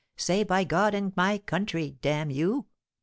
Say 'By God and my country,' damn you.'